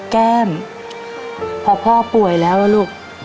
แก้มพอพ่อป่วยแล้วนะลูก